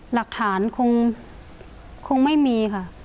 หลักฐานคงไม่มีค่ะ